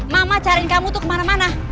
mama caring kamu tuh kemana mana